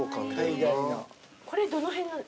これどの辺なの？